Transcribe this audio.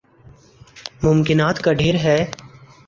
ممکنات کا ڈھیر ہے۔